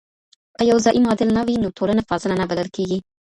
که يو زعيم عادل نه وي نو ټولنه فاضله نه بلل کيږي.